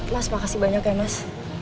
mas makasih banyak ya mas